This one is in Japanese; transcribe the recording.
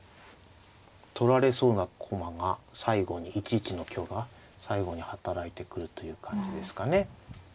取られそうな駒が最後に１一の香が最後に働いてくるという感じですかね。